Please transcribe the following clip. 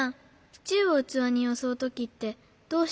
シチューをうつわによそうときってどうしてる？